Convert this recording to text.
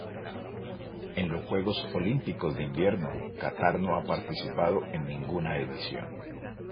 En los Juegos Olímpicos de Invierno Catar no ha participado en ninguna edición.